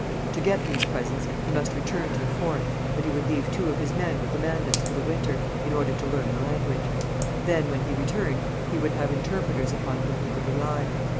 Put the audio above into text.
To get these presents he must return to the fort, but he would leave two of his men with the Mandans for the winter, in order to learn the language. Then, when he returned, he would have interpreters upon whom he could rely.